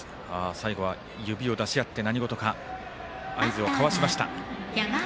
最後は指を出し合って何事か合図を交わしました。